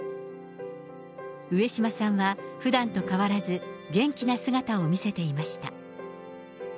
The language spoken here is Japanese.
上島さんは、ふだんと変わらず元気な姿を見せていました。